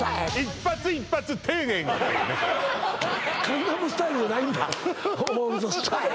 カンナムスタイルじゃないんだオールドスタイル！